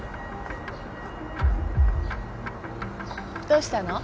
どうしたの？